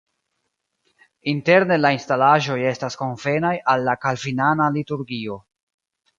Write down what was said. Interne la instalaĵoj estas konvenaj al la kalvinana liturgio.